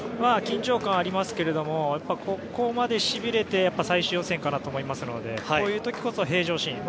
緊張感ありますけれどもここまで、しびれてこそ最終予選かなと思いますのでこういう時こそ平常心。